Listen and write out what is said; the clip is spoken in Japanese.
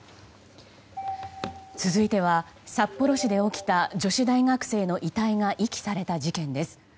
続いては、札幌市で起きた女子大学生の遺体が遺棄された事件です。